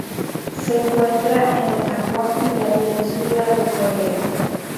Se encuentra en el Japón y la Península de Corea.